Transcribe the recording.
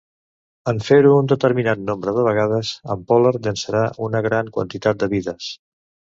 En fer-ho un determinat nombre de vegades, en Polar llançarà una gran quantitat de vides.